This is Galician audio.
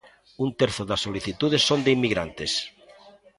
Un terzo das solicitudes son de inmigrantes.